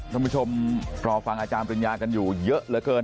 ท้องผู้ชมปลอภังอาจารย์เป็นระยะกันอยู่เยอะเหลือเกิน